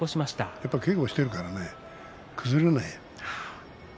やっぱり稽古をしているから崩れない。